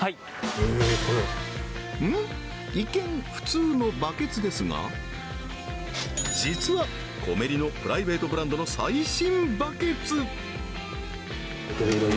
一見普通のバケツですが実はコメリのプライベートブランドの最新バケツ！